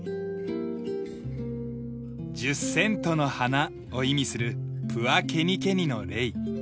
「１０セントの花」を意味するプア・ケニケニのレイ。